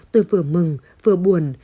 tôi vừa mừng vừa buồn